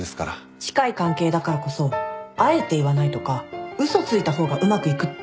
近い関係だからこそあえて言わないとか嘘ついた方がうまくいくってこともありますよね？